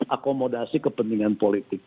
akomodasi kepentingan politik